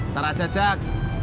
ntar aja jack